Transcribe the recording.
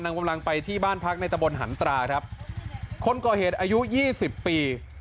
นำกำลังไปที่บ้านพักในตะบนหันตราครับคนก่อเหตุอายุยี่สิบปี